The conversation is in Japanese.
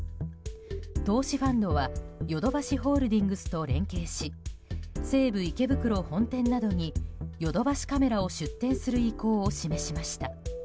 投資ファンドはヨドバシホールディングスと連携し西武池袋本店などにヨドバシカメラを出店する意向を示しました。